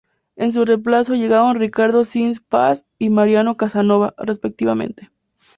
En su reemplazo llegaron Ricardo Sáenz Paz y Mariano Casanova, respectivamente.